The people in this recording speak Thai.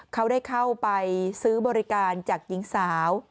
เขาได้เข้าไปซื้อบริการจากหญิงสาว